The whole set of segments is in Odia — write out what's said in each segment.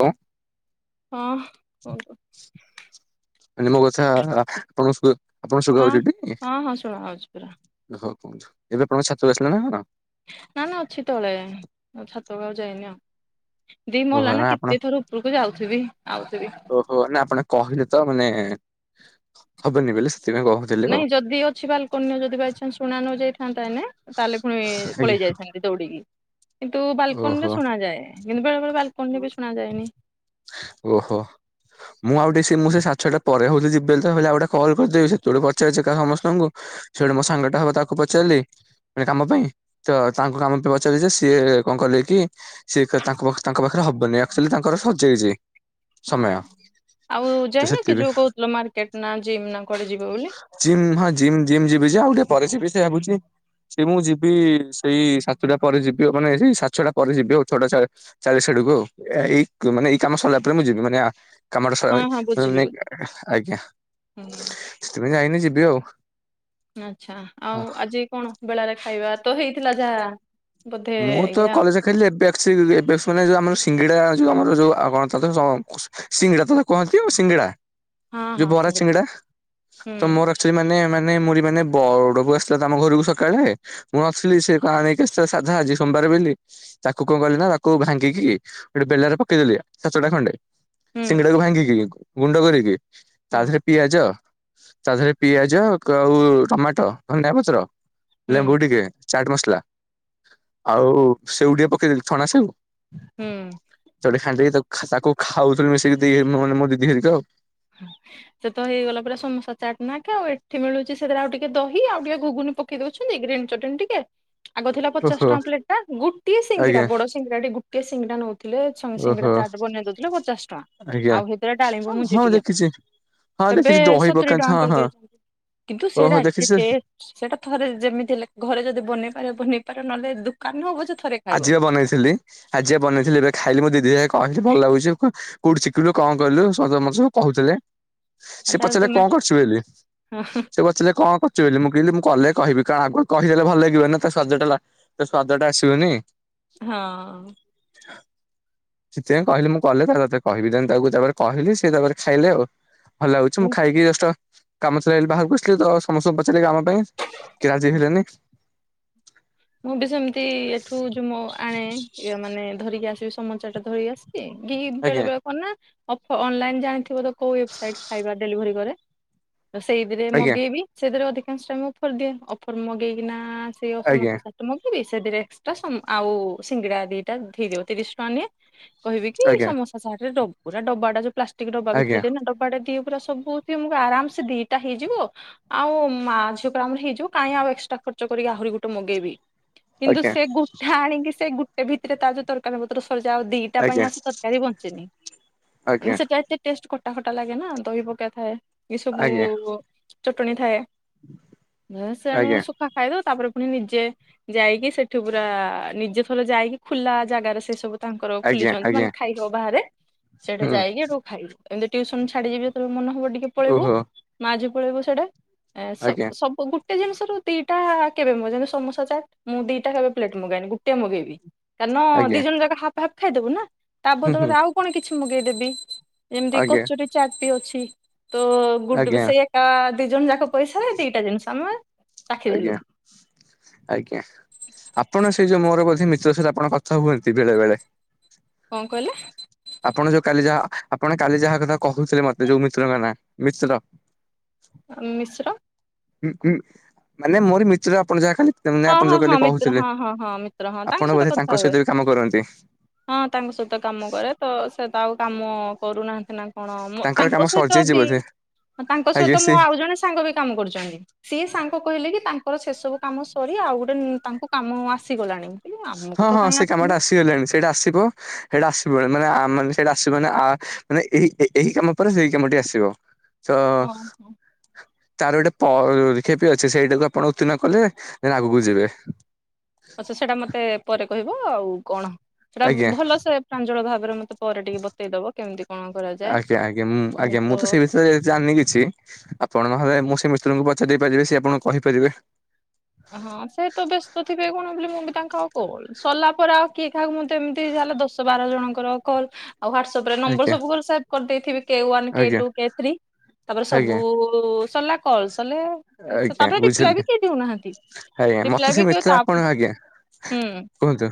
କଣ ହଁ କୁହନ୍ତୁ। କାଲି ମୋ କଥା ଆପଣ ସୁ ଆପଣଙ୍କୁ ଶୁଗା ହଁ ଯାଉଚିଟି। ହଁ ହଁ ଶୁଣା ହଉଛି ପୁରା ହୋଉ କୁହନ୍ତୁ ଏବେ ଆପଣ ଛାତରୁ ଆସିଲେ ନା କଣ? ନା ନା ଅଛି ତଳେ ଆଉ ଛାତକୁ ଆଉ ଯାଇନି ଆଉ ଦି ଓହୋ ମହଲା ନା ଆପଣ କେତେ ଥର ଉ ସ୍କୁଲ୍ କୁ ଯାଉଥିବି ଆଉଥିବି ଓହୋ ନା ଆପଣ କହିଲେ ତ ମାନେ ହବନି ବୋଲି ସେଥିପାଇଁ କହୁ ନାଇଁ ଯଦି ଅଛି ବାଲ୍ କୁନି ଯଦି ବାଇ ଚାନ୍ସ ଶୁଣା ନ ଯାଇଥାନ୍ତା ନେ ତାହେଲେ ପୁଣି ଆଜ୍ଞା। ପଳେଇ ଯାଇଥାନ୍ତି। ଦୌଡିକି, କିନ୍ତୁ ବାଲକୋନି ରେ ଓହୋ ଶୁଣ ଯାଏ କିନ୍ତୁ ବେଳେ ବେଳେ ବାଲକୋନି ରେ ବି ଶୁଣା ଯାଏନି। ଓହୋ। ମୁଁ ଆଉ ଟେ ସେ ମୁଁ ସାଢ ଛଆଟା ପରେ ହଉ ଯିବି ବୋଲି ତହଲେ ଆଉ ଗୋଟେ କଲ୍ କରିଦେବି ସେତେବେଳେ ପଚାରୁଚି କା ସମସ୍ତଙ୍କୁ। ସେଇଟେ ମୋ ସାଙ୍ଗ ଟା ହବ ତାକୁ ପଚାରିଲି କାମ ପାଇଁ ତ ତାଙ୍କୁ କାମ ପାଇଁ ପଚାରିଲି ଯେ ସିଏ କଣ କଲେ କି ସିଏ ତାଙ୍କ ତାଙ୍କ ପାଖରେ ହବନି ଆଚୁଆଲି ତାଙ୍କର ସଜେଇଛି। ଓହୋ ଆଉ ତ ଯାଇନ ସେଥିପାଇଁ କି ଯୋଉ କହୁଥିଲ ମାର୍କେଟ ନା ଜିମ୍ ନା କୁଆଡେ ଯିବ ବୋଲି। ଜିମ୍ ହଁ ଜିମ୍ ଜିମ୍ ଯିବିି ଆଉ ଟିକେ ପରେଜିବି ସେ ଭାବୁଛି। ସେ ମୁଁ ଯିବି ସେଇ ସାତଟା ପରେ ଯିବି। ମାନେ ସାତ ଛଅଟା ପରେ ଯିବି ଆଉ ଛଅଟା ଚାଳିଶ ଆଡକୁ ଆଉ ଏଇ ମାନେ ଏଇ କାମ ସରିଲା ପରେ ମୁଁ ଯିବି। ମାନେ କାମଟା ହଁ ହଁ ସଇ ବୁଝିଲି ବୁଝିଲି ଆଜ୍ଞା ହୁଁ ସେଥିପାଇଁ ଯାଇନି ଯିବି ଆଉ। ଆଚ୍ଛା, ଆଉ ଆଜି କଣ ବେଳାରେ ଖାଇବା ତ ହେଇଥିଲା ଯାହା। ବୋଧେ ମୁଁ ତ ଆଜ୍ଞା କଲେଜେ ଥିଲି ଏବେ ଆସିଲି ଏବେ ଶୁଣିଲି ଆମର ସିଙ୍ଗିଡା ଯଉ ଆମର ଯଉ [unintelligible] ସିଙ୍ଗିଡା ତ କୁହନ୍ତି ଆଉ ସିଙ୍ଗଡା ହଁ ଯଉ ହଁ ବରା ସିଙ୍ଗଡା ସିଙ୍ଗିଡା ହୁଁ ତ ମୋର ସେମାନେ ମାନେ ମୁରି ମାନେ ବଡ ବଉ ଆସିଥିଲା ତ ଆମ ଘରକୁ ସକାଳେ ମୁଁ ନଥିଲି ସେ କଣ ନେଇକି ଆସିଥିଲା ସାଧା ଆଜି ସୋମବାର୍ ବୋଲିି ତାକୁ କଣ କଲି ନା ତାକୁ ଭାଙ୍ଗିକି ଗୋଟେ ବେଲା ରେ ପକେଇଦେଲି ସାତଟା ଖଣ୍ଡେ ହୁଁ ସିଙ୍ଗିଡାକୁ ଭାଙ୍ଗିକି ଗୁଣ୍ଡ କରିକି ତା ହଁ ଦେହରେ ପିଆଜ ତା ଦେହରେ ପିଆଜ କ-ଆଉ ଟମାଟୋ [unintelligible] ପତ୍ର, ହୁଁ ଲେମ୍ବୁ ଟିକେ ଚାଟ୍ ମସଲା ଆଉ ସେଉ ଟିକେ ପକେଇଦେଲି ଛଣା ସେଉ। ହୁଁ। [unintelligible] ଖାଉଥିଲି ମିଶିକି ଦି ମାନେ ମୋ ଦିଦି ହେରିକା ଆଉ। ସେତ ହେଇଗଲା ପୁରା ସମୋସା ଚାଟ୍ ନାଖେ ଆଉ ଏଠି ମିଳୁଚି ସେଥିରେ ଆଉ ଟିକେ ଦହି ଆଉ ଟିକେ ଘୁଗୁନି ପକ୍ ପକେଇ ଦଉଛନ୍ତି ଗ୍ରୀନ୍ ଚଟ୍ନୀ ଟିକେ ଆଗ ଥିଲା ପଚାଶ୍ ଓହୋ ଟଙ୍କା ପ୍ଲେଟ୍ ଟା ଗୁଟିଏ ସିଙ୍ଗିଡା ଆଜ୍ଞା ବଡ ସିଙ୍ଗିଡା ଟି ଗୁଟିଏ ସିଙ୍ଗିଡା ନଉଥିଲେ ଓହୋ ସନ୍-ସିଙ୍ଗିଡା ଚାଟ୍ ବନେଇ ଦଉଥିଲେ ପଚାଶ୍ ଟଙ୍କା ଆଉ ହେତିରେ ଡାଳିମ୍ବ ମୁଞ୍ଜି ଟିକେ କିଛି ଏବେ ସତୁରୀ ଟଙ୍କା କରିଦେଇଚନ୍ତି କିନ୍ତୁ ସେଇରା ଓହୋ ଏତେ ଦେଖିଛୁ ଟେଷ୍ଟ୍। ସେଇଟା ଥରେ ଯେମିତି ହେଲେ ଘରେ ଯଦି ବନେଇ ପାରିବ ବନେଇ ପାରିବ ନହେଲେ ଦୋକାନ ହଉ ପଛେ ଥରେ ଖାଇବ ଆଜି ବା ବନେଇଥିଲି ଆଜି ବା ବନେଇଥିଲି ଏବେ ଖାଇଲି ମୋ ଦିଦି ହେରିକା କହିଲେ ଭଲ ଲାଗୁଚି କ କଉଠୁ ଶିକିଲୁ କଣ କଲୁ [unintelligible] ମତେ ସବୁ କହୁଥିଲେ। ଆଉ ସେ ତାହେଲେ ପଚାରିଲେ ତମେ କଣ କରୁଚୁ ବୋଲି ହଁ ସେ ପ ପଚାରିଲେ କଣ କରୁଚୁ ବୋଲି ମୁଁ କିହିଲି ମୁଁ କଲେ କହିବି କାହାକୁ କହିଦେଲେ ଭଲ ଲାଗିବନି ନା ତା ସ୍ଵାଦ ଟା ତ ସ୍ଵାଦ ଟା ଆସିବନି। ହଁ। ସେଥିପାଇଁ କହିଲି ମୁଁ କଲେ ତାପରେ ତତେ କହିବି ଦେନ୍ ତାକୁ ତାପରେ କହିଲି ସେ ତାପରେ ଖାଇଲେ ଆଉ। ଭଲ ଲାଗୁଚି ମୁଁ ଖାଇକି ଜଷ୍ଟ୍ କାମ ସାରି ବାହାରକୁ ଆସିଲି ତ ସମସ୍ତଙ୍କୁ ପଚାରିଲି ଆମ ପାଇଁ କେହି ରାଜି ହଁ ହେଲେନି। ମୁଁ ବି ସେମିତି ଏଠୁ ଯଉ ମ ଆଣେ ଇଏ ମାନେ ଧରିକି ଆସିବି ସମୋ ଟାଟ୍ ଧରିକି ଆସେ [unintelligible] ବେଳେ ଆଜ୍ଞା ବେଳେ କଣ ନା ଅଫ-ଅନଲାଇନ୍ ଜାଣିଥିବ ତ କଉ ୱେବସାଇଟ୍ ଖାଇବା ଡେଲିଭରି କରେ। ସେଇଥିରେ ଆଜ୍ଞା ମଗେଇବି ସେଇଥିରେ ଅଧିକାଂଶ [unintelligible] ଅଫର୍ ଦିଏ ଅଫର୍ ମଗେଇକିନା ଆଜ୍ଞା [unintelligible] ମଗେଇବି ସେଥିରେ ଏକ୍ସଟ୍ରା ସମ୍-ଆଉ ସିଙ୍ଗିଡା ଦିଟା ଦେଇଦବ ତିରିଶ ଟଙ୍କା ନିଏ କହିବି କି ସମୋସା ଚାଟ୍ ଦବୁ ପୁରା ଡବାଟା ଯଉ ପ୍ଲାଷ୍ଟିକ୍ ଡବା ଆଜ୍ଞା ଭିତରେ ଦିଏ ନା ଡବାଟା ଦିଏ ପୁରା ସବୁ ତମକୁ ଆରାମ୍ ସେ ଦିଟା ହେଇଯିବ ଆଉ ମା ଝିଅକୁ ତ ଆମର ହେଇଯିବ କାଇଁ ଆଉ ଏକ୍ସଟ୍ରା ଖର୍ଚ୍ଚ କରିକି ଆହୁରି ଗୋଟେ ମଗେଇବି। କିନ୍ତୁ ଆଜ୍ଞା ସେ ଗୋଟେ ଆଣିକି ସେ ଗୋଟେ ଭିତରେ ତା ଯଉ ତର୍ କାରୀ ପତ୍ର ସରିଯାଏ ଆଉ ଦିଟା ପାଇଁ ଆଜ୍ଞା ଆଉ ସେ ତରକାରୀ ବଞ୍ଚେନି ମାନେ ଆଜ୍ଞା ଆଜ୍ଞା ସେଟା ଏତେ ଟେଷ୍ଟ୍ ଖଟା ଖଟା ଲାଗେ ନା ଦହି ପକାଥାଏ ଏ ସବୁ ଆଜ୍ଞା ଚଟଣି ଥାଏ। ଉଁ- ଆଜ୍ଞା ସେଣୁ ଆଜ୍ଞା ଶୁଖା ଖାଇଦଉ ତାପରେ ପୁଣି ନିଜେ ଯାଇକି ସେଠୁ ପୁରା ନିଜେ ଥରେ ଯାଇକି ଖୁଲା ଜାଗାରେ ସେ ସବୁ ତାଙ୍କର ଆଜ୍ଞା ଖୋଲିଚନ୍ତି ଆଜ୍ଞା ମାନେ ଖାଇ ହବ ବାହାରେ ସେଠେ ହୁଁ ଯାଇକି ହେଟୁ ଖାଇବୁ। ଏମିତି ଟ୍ୟୁସନ୍ ଛାଡିଯିବି ଯେତେବେଳେ ମନ ହବ ଟିକେ ପଳେଇବୁ ଓହୋ ମା ଝିଅ ପଳେଇବୁ ସେଇଠେ ଏଁ ସବ୍ ଆଜ୍ଞା ସବୁ ଗୋଟେ ଜିନିଷରୁ ଦିଟା କେବେ [unintelligible] ସମୋସା ଚା ମୁଁ ଦିଟା କେବେ ପ୍ଲେଟ ମଗାଏନି ଗୋଟଏ ମଗେଇବି କାରଣ ଆଜ୍ଞା ଦି ଜଣ ଯାକ ହାଫ ହା୍ଫ୍ ଖାଇଦବୁ ନା। ତା ହୁଁ ହୁଁ ବଦଳରେ ଆଉ କଣ କିଛି ମଗେଇଦେବି ଯେମିତି ଆଜ୍ଞା କଚୁରୀ ଚାଟ ଅଛି ତ ଗୁଡ୍ଡୁ ବି ଆଜ୍ଞା ସେଇ ଏକା ଦି ଜଣ ଯାକ ପଇସାରେ ଦିଟା ଜିନିଷ ଆମେ ଆଜ୍ଞା, ଚାଖିଦେଲୁ। ଆଜ୍ଞା, ଆପଣ ସେଇ ଯୋଉ ମୋର ବୋଧେ ମିତ୍ର ସହିତ ଆପଣ କଥା ହୁଅନ୍ତି ବେଳେବେଳେ। କଣ କହିଲେ? ଆପଣ ଯୋଉ କାଲି ଯାହା ଆପଣ କାଲି ଯାହା କଥା କହୁଥିଲେ ମତେ ଯୋଉ ମିତ୍ରଙ୍କ ନାଁ ମିତ୍ର। ମିଶ୍ର? ହୁଁ ହୁଁ, ମାନେ ମୋର ମିତ୍ର ଆପଣ ଯାହା ଖାଲି ତା ମାନେ ହଁ ଆପଣ ହଁ ଯୋଉ ହଁ କାଲି ମିତ୍ର କହୁଥିଲେ, ହଁ ହଁ ହଁ ମିତ୍ର ହଁ ତାଙ୍କ ଆପଣ ସହିତ ବୋଧେ କଥା ତାଙ୍କ ହୁଏ। ସହିତ ବି କାମ କରନ୍ତି। ହଁ ତାଙ୍କ ସହିତ କାମ କରେ, ତ ସେ ତ ଆଉ କାମ କରୁନାହାନ୍ତି ନା। କଣ, ମୁଁ ତାଙ୍କର ତାଙ୍କ କାମ ସହିତ ସରିଯାଇଛି ବି ବୋଧେ ତାଙ୍କ ଆଜ୍ଞା ସହିତ ମୁଁ ସେଇ ଆଉ ଜଣେ ସାଙ୍ଗ ବି କାମ କରୁଛନ୍ତି ସିଏ ସାଙ୍ଗ କହିଲେ କି ତାଙ୍କର ସେ ସବୁ କାମ କରି ଆଉ ଗୋଟେ ନୂ ତାଙ୍କୁ କାମ ଆସିଗଲାଣି। ଆମକୁ ହଁ ତ ହଁ କାହିଁ ସେଇ ଆସିନି କାମଟା ଆସ୍ ଆସିଗଲାଣି ସେଇଟା ଆସିବ ସେଇଟା ଆସିବ ମାନେ ଆ-ଆମ ସେଇଟା ଆସିବ ମାନେ ଆ-ଆ ଏହି ଏ ଏହି କାମ ପରେ ସେଇ କାମଟି ଆସିବ ତ ହଁ ହଁ ତାର ଗୋଟେ ପରୀକ୍ଷା ବି ଅଛି, ସେଇଟାକୁ ଆପଣ ଉତ୍ତୀର୍ଣ୍ଣ କଲେ ଦେନ୍ ଆଗକୁ ଯିବେ। ଆଚ୍ଛା ସେଟା ମତେ ପରେ କହିବ ଆଉ କଣ। ସେଟା ଆଜ୍ଞା। ଭଲସେ ପ୍ରାଞ୍ଜଳ ଭାବରେ ମତେ ପରେ ଟିକେ ବତେଇ ଦବ କେମିତି କଣ କରାଯାଏ। ଆଜ୍ଞା ଆଜ୍ଞା, ମୁଁ ଆଜ୍ଞା ମୁଁ ତ ସେ ବିଷୟରେ ଜାଣିନି କିଛି। ଆପଣ ନହେଲେ ମୁଁ ସେ ମିସ୍ତ୍ରୀଙ୍କୁ ପଚାରି ଦେଇ ପାରିବି ସେ ଆପଣଙ୍କୁ କହିପାରିବେ। ହଁ ସେ ତ ବ୍ୟସ୍ତ ଥିବେ କଣ ବୋଲି ମୁଁ ବି ତାଙ୍କୁ ଆଉ କହୁ ସରିଲା ପରେ ଆଉ କିଏ କାହାକୁ ମୁଁ ତ ଏମିତି ଯା ହେଲେ ଦଶ ବାର ଜଣଙ୍କର କଲ୍ ଆଉ ହ୍ୱାଟସଆପରେ ନମ୍ବର ଆଜ୍ଞା ସବୁ ଗୁରା ସେଭ୍ କରି ଦେଇଥିବି କେ ୱାନ୍ କେ ଆଜ୍ଞା। ଟୁ କେ ଥ୍ରୀ ତାପରେ ଆଜ୍ଞା ସବୁ [inaudible] ସରିଲା କଲ୍ ସରିଲେ ସେ ଆଜ୍ଞା, ତାପରେ ରିପ୍ଲାଏ ବି ବୁଝିଲି। କେହି ଦଉନାହାନ୍ତି। ଆଜ୍ଞା, ରିପ୍ଲାଏ ମତେ ସେ ବି କେହି ମିତ୍ର ତା ହୁଁ ଆପଣ ଆଜ୍ଞା କୁହନ୍ତୁ,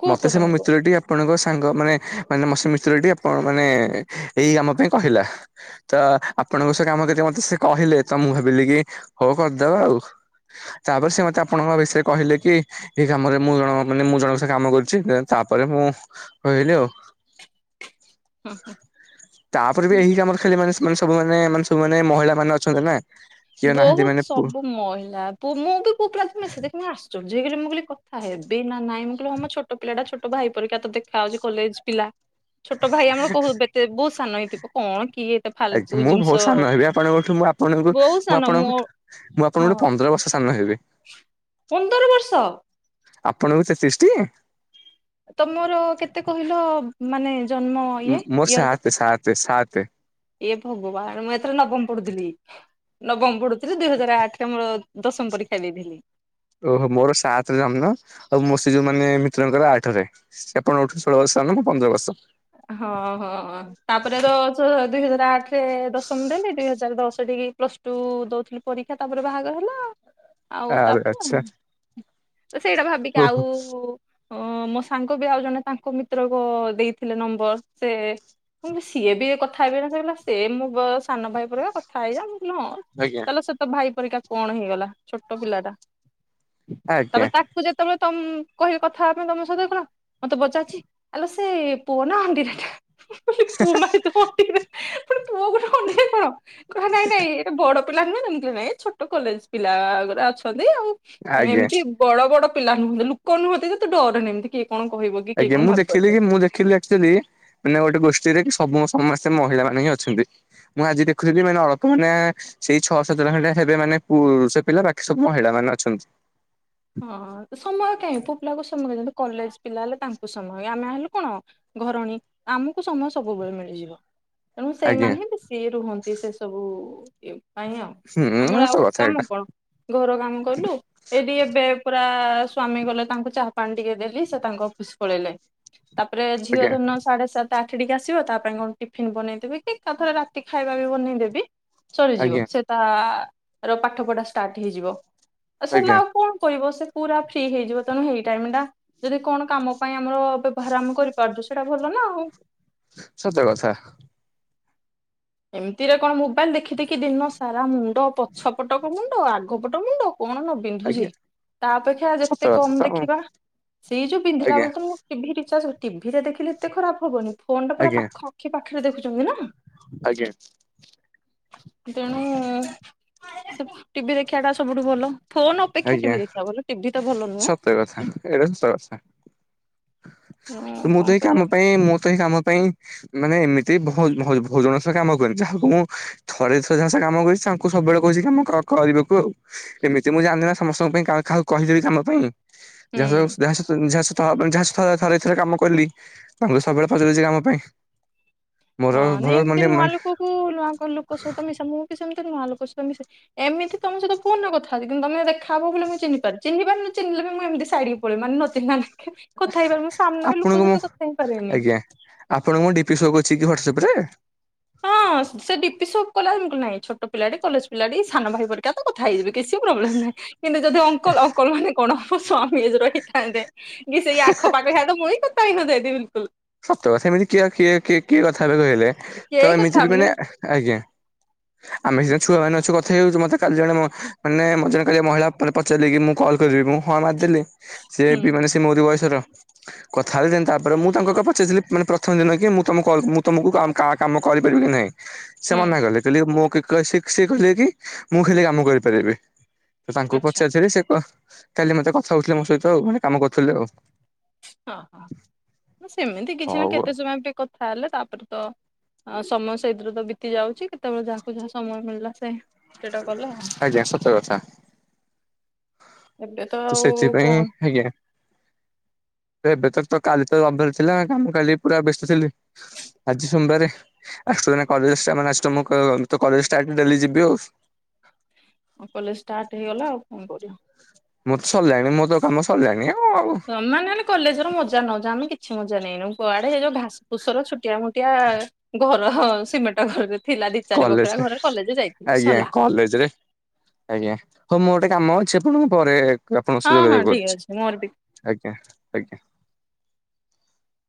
କୁହ କୁହ ମତେ ସେ ମୋ ତମେ କୁହ ମିତ୍ର ଟିକେ ଆପଣଙ୍କ ସାଙ୍ଗ ମାନେ, ମାନେ ମୋର ସେ ମିତ୍ରଟି ଆପଣ ମାନେ ଏଇ ଆମ ପାଇଁ କହିଲା। ତ ଆପଣଙ୍କ ସହ କାମ କରି ମତେ ସେ କହିଲେ ତ ମୁଁ ଭାବିଲି କି ହଉ କରିଦବା ଆଉ ତାପରେ ସେ ମତେ ଆପଣଙ୍କ ବିଷୟରେ କହିଲେ କି ଏଇ କାମରେ ମୁଁ ଜଣଙ୍କ ମାନେ ମୁଁ ଜଣଙ୍କ ସେ କାମ କରୁଛି ତାପରେ ମୁଁ କହିଲି ଆଉ ହୁଁ ହୁଁ। ତାପରେ ବି ଏହି କାମର ଖାଲି ମାନେ ସବୁମାନେ ମାନେ ସବୁମାନେ ସବୁମାନେ ମହିଳାମାନେ ଅଛନ୍ତି ନା। କିଏ ନାହାନ୍ତି ବହୁତ ମାନେ ପୁ ସବୁ ମହିଳା ପୁ ମୁଁ ବି ପୁଅପି ପ୍ରଥମେ ସେ ଦେଖି ମୁଁ ଆଶ୍ଚର୍ଯ୍ୟ ହେଇଗଲି ମୁଁ କହିଲି କଥା ହେବି ନା ନାଇଁ ମୁଁ କହିଲି ହଁ ମ ଛୋ ଛୋଟ ପିଲାଟା ଛୋଟ ଭାଇ ପରିକା ତ ଦେଖା ଯାଉଛି କଲେଜ ପିଲା। ହ ଛୋଟ ଭାଇ ଆମର କହୁ ଏତେ ବହୁତ ସାନ ହେଇଥିବ କଣ କିଏ। ଏତେ ଆଜ୍ଞା ଫାଲତୁ ମୁଁ ଜିନିଷ ବହୁତ ସାନ ହେବି ଆପଣଙ୍କଠୁ, ମୁଁ ଆପଣଙ୍କୁ ବହୁତ ମୁଁ ସାନ ମୋ ଆପଣଙ୍କଠୁ ମୁଁ ହଁ ଆପଣଙ୍କଠୁ ପନ୍ ପନ୍ଦର ବର୍ଷ ସାନ ହେବି। ପନ୍ଦର ବର୍ଷ? ଆପଣଙ୍କୁ ତେତିଶ ଟି? ତମର କେତେ କହିଲ ମାନେ ଜନ୍ମ ଇଏ ମୋର ଇୟର ସାତେ କେତେ? ସାତେ ସାତେ ଏ ଭଗବାନ ମୁଁ ଏଥିରେ ନବମ ପଢୁଥିଲି। ନବମ ପଢୁଥିଲି ଦୁଇ ହଜାର ଆଠରେ ମୋର ଦଶମ ପରୀକ୍ଷା ଦେଇଥିଲି। ଓହୋ ମୋର ସାତରେ ଜନ୍ମ ଆଉ ମୋ ସେ ଆଚ୍ଛା ଯୋଉ ମାନେ ସେମାନଙ୍କର ଆଠରେ ସେ ଆପଣଙ୍କଠୁ ଷୋଳ ବର୍ଷ ସାନ ମୁଁ ପନ୍ଦର ବର୍ଷ। ହଁ ହଁ ତାପରେ ତ ଦୁଇ ହଜାର ଆଠ ସେ ଦଶମ ଦେଲି ଦୁଇ ହଜାର ଦଶ ଟି ପ୍ଲସ ଟୁ ଦଉଥିଲି ପରୀକ୍ଷା ତାପରେ ବାହାଘର ହେଲା ଆଉ। ଆଉ ଆରେ ଆଚ୍ଛା ତାପରେ ସେଇଟା ଭାବିକି ଓହୋ ଆଉ ଅ ମୋ ସାଙ୍ଗ ବି ଆଉ ଜଣେ ତାଙ୍କ ମିତ୍ରକ ଦେଇଥିଲେ ନମ୍ବର, ସେ ମୁଁ କ ସିଏ ବି କଥା ହେଇବେ ନା ସେ ମୋବ ସାନ ଭାଇ ପରିକା କଥା ହେଇଯା ମୁଁ କହିଲି ହଁ। ଆଜ୍ଞା ଚାଲ ସେ ତ ଭାଇ ପରିକା କଣ ହେଇଗଲା ଛୋଟ ପିଲା ଟା। ଆଜ୍ଞା ତାପରେ ତା ତାକୁ ଯେତେବେଳେ ତମ୍ କହିବି କଥା ହେବା ପାଇଁ ତମ ସହିତ କଣ ମତେ ପଚାଛି ଆଲୋ ସେ ପୁଅ ନା ଅଣ୍ଡିରାଟା? ମୁଁ କହିଲି ପୁଅ ମାନେ ତ ଅଣ୍ଡିରା। ମୁଁ କହିଲି ପୁଅ କଣ ଅଣ୍ଡିରା କଣ? କହିଲା ନାଇଁ ନାଇଁ ଏଇଟା ବଡ ପିଲା ନାଇଁ? ମୁଁ କହିଲି ନାଇଁ ଛୋଟ କଲେଜ ପିଲା ଗୁଡା ଅଛନ୍ତି ଆଉ ଆଜ୍ଞା ଏମିତି ବଡ ବଡ ପିଲା ନୁହଁନ୍ତି ଲୋକ ନୁହଁନ୍ତି ଯେ ତୁ ଡରେନି ଏମିତି କି କଣ କହିବ କି। କିଏ ଆଜ୍ଞା କଣ ମୁଁ ଭାବିବ ଦେଖିଲି ତତେ। କି ମୁଁ ଦେଖିଲି ଆ ଚ୍ୟେଲି ମାନେ ଗୋଟେ ଗୋଷ୍ଠୀରେ ସବୁ ସମସ୍ତେ ମହିଳା ମାନେ ହିଁ ଅଛନ୍ତି। ମୁଁ ଆଜି ଦେଖୁଥିଲି ମାନେ ଅଳପ ମାନେ ସେଇ ଛଅ ସାତଟା ଖଣ୍ଡେ ହେବେ ମାନେ ପୁରୁଷ ପିଲା ବାକି ସବୁ ମହିଳା ମାନେ ଅଛନ୍ତି। ହଁ ସମୟ କାହିଁ? ପୁଅ ପିଲାଙ୍କୁ ସମୟ ଯଦି କଲେଜ ପିଲା ହେଲେ ତାଙ୍କୁ ସମୟ। ଆମେ ହେଲୁ କଣ ଘରଣୀ, ଆମକୁ ସମୟ ସବୁବେଳେ ମିଳିଯିବ। ତେଣୁ ଆଜ୍ଞା ସେଇମାନେ ହିଁ ବେଶି ରୁହନ୍ତି ସେ ସବୁ ଇଏ ନାଇଁ ଆଉ। ହୁଁ ଆମର ସତ ଆଉ କଥା କାମ ଏଇଟା କଣ? ଘର କାମ କଲୁ, ଏଇ ଟିକେ ଏବେ ପୁରା ସ୍ଵାମୀ ଗଲେ ତାଙ୍କୁ ଚାହା ପାଣି ଟିକେ ଦେଲି। ସେ ତାଙ୍କ ଅଫିସ୍ ପଳେଇଲେ। ତାପରେ ଝିଅ ଆଜ୍ଞା ଧନ ସାଢେ ସାତ ଆଠ ଟିକେ ଆସିବ ତା ପାଇଁ କଣ ଟିଫନ୍ ବନେଇଦେବି କି, ଏକାଥରେ ରାତି ଖାଇବା ବି ବନେଇଦେବି। ସରିଯିବ। ଆଜ୍ଞା ସେ ତା ର ପାଠ ପଢା ଷ୍ଟାର୍ଟ ହେଇଯିବ। ସରିଲା ଆଜ୍ଞା ଆଉ କଣ? କହିବ ସେ ପୁରା ଫ୍ରି ହେଇଯିବ। ତେଣୁ ହେଇ ଟାଇମ ଟା ଯଦି କଣ କାମ ପାଇଁ ଆମର ବ୍ୟବହାର ଆମେ କରିପାରୁଛୁ ସେଇଟା ଭଲ ନା ଆଉ। ସତ କଥା। ଏମିତିରେ କଣ ମୋବାଇଲ ଦେଖି ଦେଖି ଦିନ ସାରା ମୁଣ୍ଡ ପଛପଟକ ମୁଣ୍ଡ ଆ ଗ ପଟ ମୁଣ୍ଡ କଣ ନ ପିନ୍ଧୁଛି? ଆଜ୍ଞା ତା ଅପେକ୍ଷା ସତ ଯେତେ କଥା ତ କମ ଦେଖିବା। ସେଇ ଯୋଉ ପିନ୍ଧିଲା ଆଜ୍ଞା ବେଳେ ତ ମୁଁ ଟିଭି ରିଚାର୍ଜ ଟିଭିରେ ଦେଖିଲେ ଏତେ ଖରାପ ହବନି। ଫୋନ ଟା ପୁରା ଆଜ୍ଞା ପାଖ ଆଖି ପାଖରେ ଦେଖୁଛନ୍ତି ନା। ଆଜ୍ଞା। ତେଣୁ ସେ ଟିଭି ଦେଖିବା ଟା ସବୁଠୁ ଭଲ। ଫୋନ ଅପେକ୍ଷା ଆଜ୍ଞା। ଟିଭି ଦେଖିବା ଭଲ ଟିଭି ତ ଭଲ ନୁହେଁ ସତ କଥା ଏଇଟା ସତ କଥା। ହଁ ମୁଁ ତ କଣ ଏଇ କାମ କରିବା ପାଇଁ, ମୁଁ ତ ଏଇ କାମ ପାଇଁ ମାନେ ଏମିତି ବହୁତ ବହୁତ ଜଣ ସହ କାମ କରିଛି। ଯାହାକୁ ମୁଁ ଥରେ ଥରେ ସେ କାମ କରିଛି କୁ ସବୁବେଳେ କହିଛିକି ମୁଁ କ କରିବାକୁ ଏମିତି ମୁଁ ଜାଣିନ ସମସ୍ତଙ୍କ ପାଇଁ କାହାକୁ କହିଦେବି ତମ ପାଇଁ ଯାହାସ ହୁଁ। ଯାହାସ ଯାହା ତ ଯାହା ସହିତ ଥରେ ଥରେ କାମ କଲି ତାଙ୍କୁ ସବୁବେଳେ ପଚାରିଛି କାମ ପାଇଁ। ମୋର ଭଲ ମାନେ ମାନେ ହୁ ନୂଆ ଲୋକଙ୍କ ସହିତ ମିଶା ମୁଁ ବି ସେମିତି ନୂଆ ଲୋକ ସହିତ ମିଶେ ଏମିତି ତମ ସହିତୋନ କଥାଛି କିନ୍ତୁମେ ଦେଖା ହବ ବୋଲି ମୁ ଚହ୍ିାରିହ୍ନିାରି ଚିହ୍ିଲେ ମୁଁ ଏମତି ସା ପଳେଇ ମାନେ ନଚିହ୍ନିଲା ନେକେ କଥା ହେଇପାରିବ ମୁଁ ସାମ୍ନାରେ ଲୋକ ସହିତ କଥା ହେଇପାରେନି। ଆପଣଙ୍କ ଡି ପି ଶୋକକ୍ଛି କି ହ୍ୱାଟ୍ସଆପ ରେ ହଁ ସେ ଡିପି ସପ୍ କଲା ଏମି କ ନାଇଁ ଛୋଟ ପିଲା କଲେଜ ପିଲାଟି ସାନ ଭାଇ ପରି ତ କଥା ହେଇଯିବି କିଛି ପ୍ରୋବ୍ଲେମ୍ ନାହିଁ କିନ୍ତୁ ଯଦି ଅଙ୍କଲ ଅଙ୍କଲ ମାନେ କଣ ମୋ ସ୍ୱାମୀ ହିଯଦି ରହିଇଥାନ୍ତେ କି ସେଇ ଆଖପାଖ ଇଆ ତ ମୁଇଁ କଥା ହେଇ ନ ଯାଇ ବିଲକୁଲ। ସତ କଥା ଏମିତି କିଏ କିଏ କିଏ କିଏ କଥାବେ କହିଲେ ତ କେହି କଥା ଏମିତି ବି ହବନି ମାନେ ଆଜ୍ଞା। ଆମେ ସେ ଛୁଆ ମାନେ ଅଛୁ କଥା ହେଇଯାଉଛି ମତେ କାଲି ଜଣେ ମାନେ ମଜଣ କାଲି ମହିଳା ମାନେ ପଚାରିଲେକି ମୁଁ କଲ୍ କରିବି ମୁଁ ହଁ ମାରିଦେଲି। ସେ ହୁଁ ବି ମାନେ ସେ ମୋରି ବୟସର କଥା ହେଥାନ୍ତି ତାପରେ ମୁଁ ତାଙ୍କ କ ସେ ଥିଲେ ମାନେ ପ୍ରଥମ ଦିନ କି ମୁଁ ତମ କ ମୁଁ ତମକୁ କାମ୍ କାହା କାମ କରିପାରିବି କି ନାହିଁ। ସେ ହୁଁ ମନା କଲେ କହିଲେ ମୁଁ ସେଏ କହିଲେ କି ମୁଁ ଖାଲ କାମ କରିପାରିବି। ତ ତାଙ୍କୁ ଆଚ୍ଛା ପଚାରିଥିଲି ସେ କହ କାଲି ମତେ କଥା ହଉଥିଲେ ମୋ ସହିତ ଆଉ ମାନେ କାମ କରୁଥିଲେ ଆଉ। ହଁ ହଁ ସେମିତି କିଛି ନା ହଉ ଆଉ କେତେ ସମୟ ଏମିତି କଥା ଥା ହେଲେ ତାପରେ ତ ସମୟ ସେଇ ଦରେ ତ ବିତି ଯାଉଛି କେତେବେଳେ ଯାହାକୁ ଯାହା ସମୟ ମିଳିଲା ସେ ସେଇଟା କଲେ ଆଉ ଆଜ୍ଞା ସତ କଥା। ଏବେ ତ ଆଉ ସେଥିପାଇଁ କଣ ଆଜ୍ଞା। ଏବେ ତ। ତ କାଲି ତ ରବିବାର ଥିଲା କାମ କାଲି ପୁରା ବ୍ୟସ୍ତ ଥିଲି ଆଜି ସୋମବାର ସେମାନେ କଲେଜ ସେମାନେ ଆସି ତମ ତୋ କଲେଜ ଷ୍ଟାପ୍ ମୁଁ ତ ଡେଲି ଯିବି। କଲେଜ ଷ୍ଟାର୍ଟ ହେଇଗଲା ଆଉ କଣ କରିଵ। ମୁଁ ତ ସରିଲାଣି ମଁ ତ କାମ ସରିଲାଣିଉ କଅଁ ଆଉ ତମେମାନେ ହେଲେ କଲେଜ ର ମଜା ନଉଛ ଆମେ କିଛି ମଜା ନ ନେଇନୁ କୁଆଡେ ଯୋଉ ଘାସ ଫୁସର ଛୋଟିଆ ମୋଟିଆ ଘର ସିମେଟ ଘରରେ ଥିଲା ଦି ଚାରି କଲେଜ ବଖରାଆ ଘରେ କଲେଜ ଯାଇିଥିଲୁ ଆଜ୍ଞା ସରିଲା। କଲେଜରେ ଆଜ୍ଞା ହଉ ମୁଁ ଗୋଟେ କାମ ଅଛି ଆପଣଙ୍କୁ ପରେ ହଁ ଆପଣଙ୍କ ହଁ ଯୋଗାଯୋଗ ଠିକ କରୁଛି। ଅଛି ମୋର ବି ଆଜ୍ଞା ଆଜ୍ଞା।